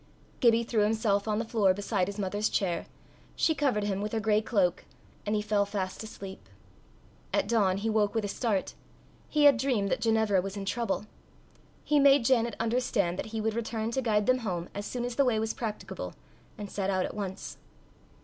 Gibbie threw himself on the floor beside his mother's chair, she covered him with her grey cloak, and he fell fast asleep. At dawn, he woke with a start. He had dreamed that Ginevra was in trouble. He made Janet understand that he would return to guide them home as soon as the way was practicable, and set out at once.